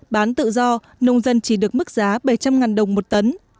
bán tự do nông dân chỉ được mức giá bảy trăm linh đồng một tấn